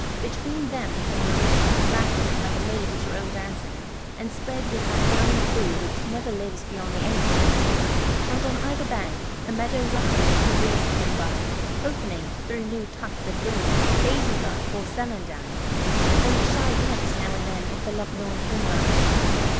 Between them came the water laughing, like a maid at her own dancing, and spread with that young blue which never lives beyond the April. And on either bank, the meadow ruffled as the breeze came by, opening (through new tuft, of green) daisy bud or celandine, or a shy glimpse now and then of the love lorn primrose.